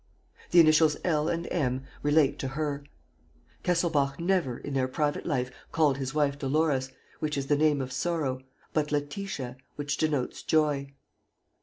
"The initials L. and M. relate to her. Kesselbach never, in their private life, called his wife Dolores, which is the name of sorrow, but Letitia, which denotes joy.